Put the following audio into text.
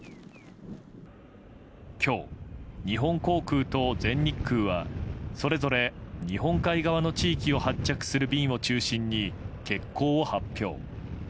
今日、日本航空と全日空はそれぞれ日本海側の地域を発着する便を中心に欠航を発表。